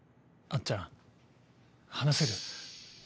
あっちゃん話せる？